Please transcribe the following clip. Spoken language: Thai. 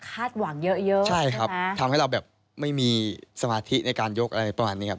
หวังเยอะเยอะใช่ครับทำให้เราแบบไม่มีสมาธิในการยกอะไรประมาณนี้ครับ